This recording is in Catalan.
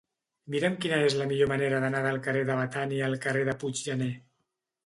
Mira'm quina és la millor manera d'anar del carrer de Betània al carrer de Puiggener.